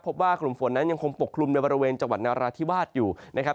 พบว่ากลุ่มฝนนั้นยังคงปกคลุมในบริเวณจังหวัดนาราธิวาสอยู่นะครับ